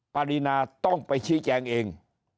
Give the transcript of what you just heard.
ปรินาต้องไปชี้แจงเอง